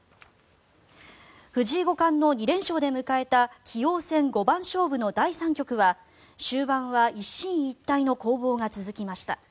藤井五冠の２連勝で迎えた棋王戦五番勝負の第３局は終盤は一進一退の攻防が続きました。